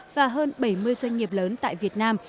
và hơn bảy mươi doanh nghiệp lớn tại việt nam